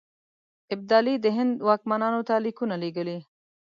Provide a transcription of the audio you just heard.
ابدالي د هند واکمنانو ته لیکونه لېږلي.